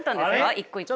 一個一個が。